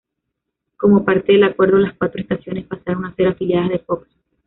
Como parte del acuerdo, las cuatro estaciones pasaron a ser afiliadas de Fox.